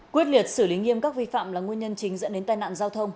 quyết liệt xử lý nghiêm các vi phạm là nguyên nhân chính dẫn đến tai nạn giao thông